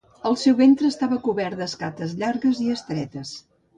El seu ventre estava cobert d'escates llargues i estretes.